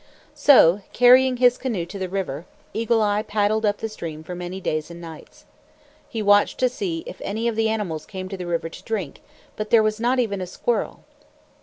So, carrying his canoe to the river, Eagle Eye paddled up the stream for many days and nights. He watched to see if any of the animals came to the river to drink, but there was not even a squirrel.